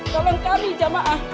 tolong kami jemaah